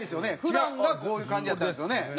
普段がこういう感じやったんですよね？